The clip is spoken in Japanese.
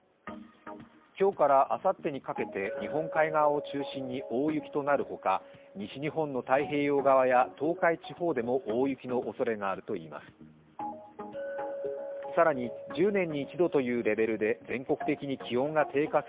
今日からあさってにかけて日本海側を中心に大雪となるほか西日本の太平洋側や東海地方でも大雪のおそれがあるといいます。